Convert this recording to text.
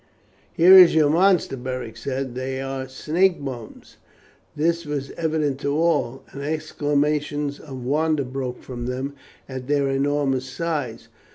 "Here is your monster," Beric said; "they are snake bones." This was evident to all, and exclamations of wonder broke from them at their enormous size.